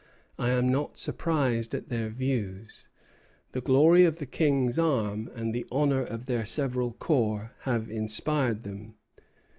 I am not surprised at their views. The glory of the King's arm and the honor of their several corps have inspired them.